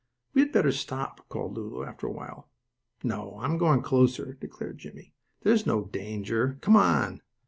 "We had better stop," called Lulu, after a while. "No, I'm going closer," declared Jimmie. "There is no danger; come on!"